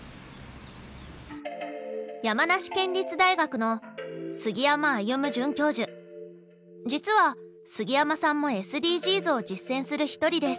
山梨県立大学の実は杉山さんもＳＤＧｓを実践する一人です。